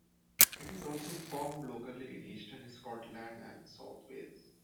It is also found locally in eastern Scotland and south Wales.